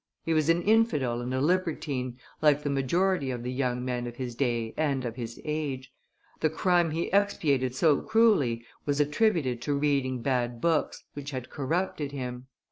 He was an infidel and a libertine, like the majority of the young men of his day and of his age; the crime he expiated so cruelly was attributed to reading bad books, which had corrupted him.